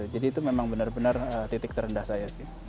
jadi itu memang benar benar titik terendah saya sih